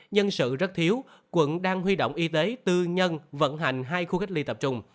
nhân sự rất thiếu quận đang huy động y tế tư nhân vận hành hai khu cách ly tập trung